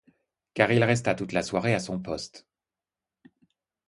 Car il resta toute la soirée à son poste.